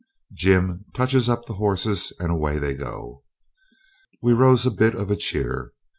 Jim touches up the horses and away they go. We rose a bit of a cheer.